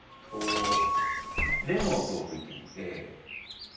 レの音をふいてみて。